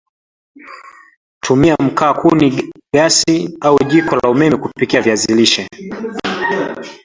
tumia Mkaa kuni gasi au jiko la umeme kupikia viazi lishe